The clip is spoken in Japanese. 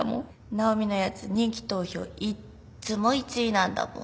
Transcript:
直美のやつ人気投票いっつも１位なんだもん。